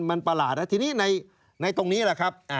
มันประหลาดแล้วทีนี้ในตรงนี้แหละครับ